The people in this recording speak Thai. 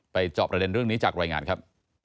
จอบประเด็นเรื่องนี้จากรายงานครับ